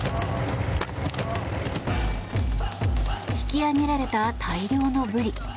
引き揚げられた大量のブリ。